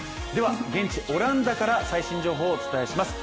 現地オランダから最新情報をお伝えします。